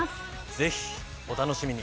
ぜひお楽しみに。